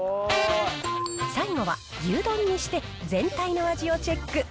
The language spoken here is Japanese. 最後は、牛丼にして全体の味をチェック。